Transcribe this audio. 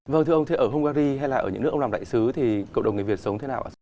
vâng thưa ông thế ở hungary hay là ở những nước ông làm đại sứ thì cộng đồng người việt sống thế nào ạ